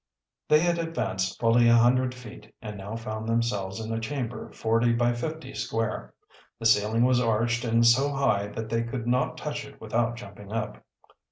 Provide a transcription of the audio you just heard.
They had advanced fully a hundred feet, and now found themselves in a chamber forty or fifty feet square. The ceiling was arched and so high that they could not touch it without jumping up.